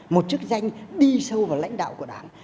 một chức danh đi sâu vào lãnh đạo của đảng